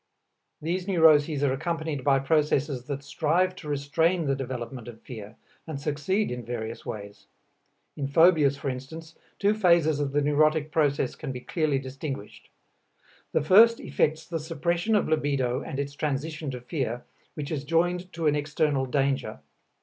These neuroses are accompanied by processes that strive to restrain the development of fear, and succeed in various ways. In phobias, for instance, two phases of the neurotic process can be clearly distinguished. The first effects the suppression of libido and its transition to fear, which is joined to an external danger.